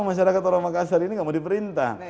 masyarakat orang makassar ini nggak mau diperintah